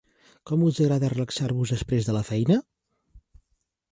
Com us agrada relaxar-vos després de la feina?